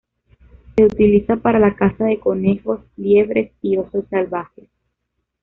Se utiliza para la caza de conejos, liebres y osos salvajes.